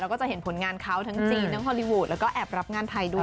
แล้วก็จะเห็นผลงานเขาทั้งจีนทั้งฮอลลีวูดแล้วก็แอบรับงานไทยด้วย